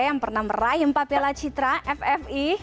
yang pernah merayam pak pela citra ffi